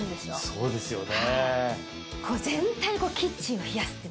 そうですよね。